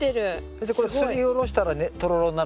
先生これすりおろしたらとろろになる？